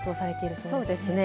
そうですね。